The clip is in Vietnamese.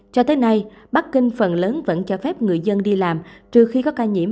cho tới nay bắc kinh phần lớn vẫn cho phép người dân đi làm trừ khi có ca nhiễm